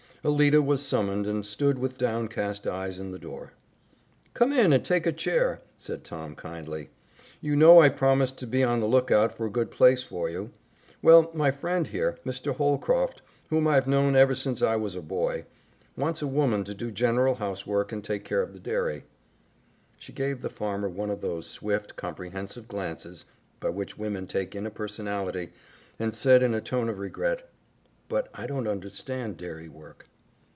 Alida was summoned and stood with downcast eyes in the door. "Come in and take a chair," said Tom kindly. "You know I promised to be on the lookout for a good place for you. Well, my friend here, Mr. Holcroft, whom I've known ever since I was a boy, wants a woman to do general housework and take care of the dairy." She gave the farmer one of those swift, comprehensive glances by which women take in a personality, and said in a tone of regret, "But I don't understand dairy work."